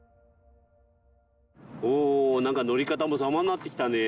おおなんか乗り方もさまになってきたね。